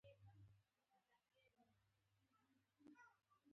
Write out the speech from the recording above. د بشري حقونو په نړیوال قانون کې په رسمیت پیژندل شوی.